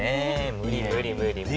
無理無理無理無理。